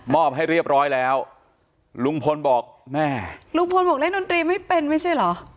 ให้เรียบร้อยแล้วลุงพลบอกแม่ลุงพลบอกเล่นดนตรีไม่เป็นไม่ใช่เหรอ